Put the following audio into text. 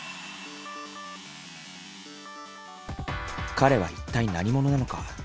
彼は一体何者なのか。